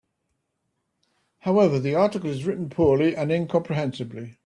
However, the article is written poorly and incomprehensibly.